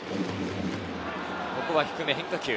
ここは低め、変化球。